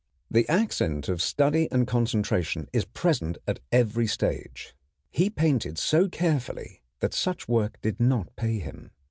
The accent of study and concentration is present at every stage. He painted so carefully that such work did not pay him.